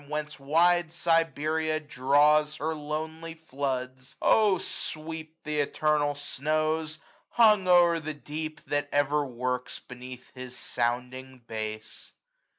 Whence wide Siberia draws her lonely floods ; sweep th* eternal snows, hung o'er the deep. That ever works beneath his sounding base.